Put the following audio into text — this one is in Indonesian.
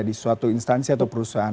di suatu instansi atau perusahaan